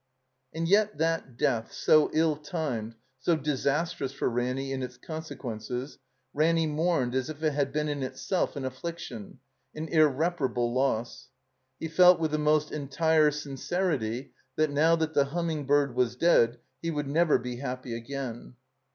And yet that death, so ill timed, so disastrous for Ranny in its consequences, Ranny mourned as if it had been in itself an afiSiction, an irreparable loss. He felt with the most entire sincerity that now that the Humming bird was dead he would never be happy again.